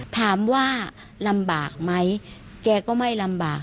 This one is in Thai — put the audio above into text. ถามว่าลำบากไหมแกก็ไม่ลำบาก